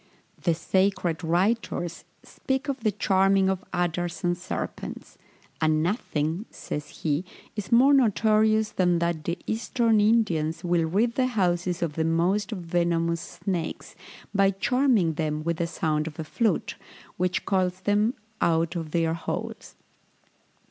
The sacred writers speak of the charming of adders and serpents; and nothing, says he, is more notorious than that the eastern Indians will rid the houses of the most venomous snakes, by charming them with the sound of a flute, which calls them out of their holes.